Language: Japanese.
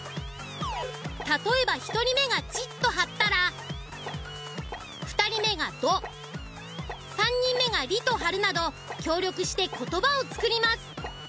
例えば１人目が「ち」と張ったら２人目が「ど」３人目が「り」と張るなど協力して言葉を作ります。